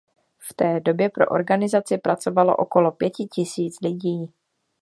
V té době pro organizaci pracovalo okolo pěti tisíc lidí.